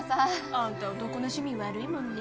あんた男の趣味悪いもんね。